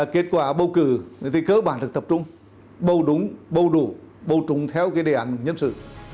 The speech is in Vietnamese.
kết quả bầu cử thì cơ bản được tập trung bầu đúng bầu đủ bầu trung theo đề ảnh nhân sự